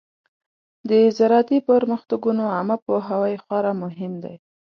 د زراعتي پرمختګونو عامه پوهاوی خورا مهم دی.